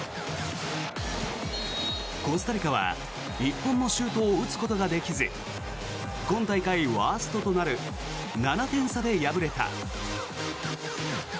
コスタリカは１本もシュートを打つことができず今大会ワーストとなる７点差で敗れた。